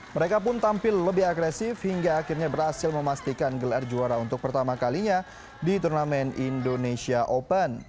mereka pun tampil lebih agresif hingga akhirnya berhasil memastikan gelar juara untuk pertama kalinya di turnamen indonesia open